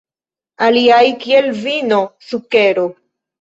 Aliaj, kiel vino, sukero.